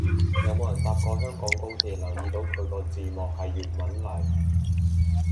有冇人搭過香港高鐵留意到佢個字幕係粵文嚟